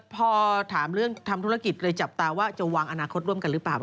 พอถามเรื่องทำธุรกิจเลยจับตาว่าจะวางอนาคตร่วมกันหรือเปล่า